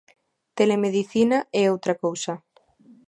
Telemedicina é outra cousa.